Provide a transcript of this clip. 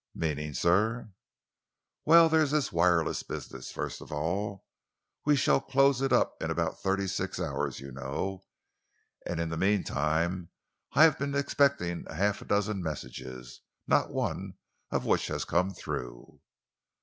"Meaning, sir?" "Well, there's this wireless business, first of all. We shall close it up in about thirty six hours, you know, and in the meantime I have been expecting half a dozen messages, not one of which has come through."